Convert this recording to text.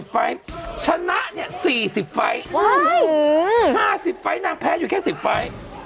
๕๐ไฟต์นางแพ้อยู่แค่๑๐ไฟต์